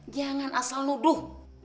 jangan asal nuduh